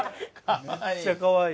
めっちゃかわいい。